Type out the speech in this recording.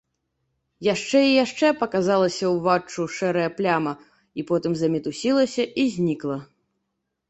Яшчэ і яшчэ паказалася ўваччу шэрая пляма і потым замітусілася і знікла.